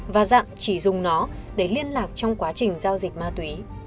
và dặn chỉ dùng nó để liên lạc trong quá trình giao dịch ma túy